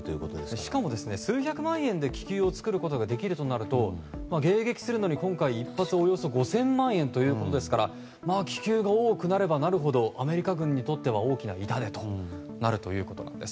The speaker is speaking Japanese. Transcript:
しかも、数百万円で気球を作ることができるとなると迎撃するのに今回一発およそ５０００万円ということですから気球が多くなればなるほどアメリカ軍にとっては大きな痛手となるということです。